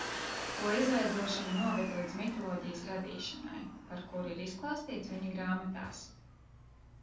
To izveidošana noveda līdz mitoloģijas radīšanai, par kuru ir izklāstīts viņa grāmatās.